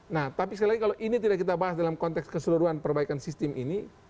nah tapi sekali lagi kalau ini tidak kita bahas dalam konteks keseluruhan perbaikan sistem ini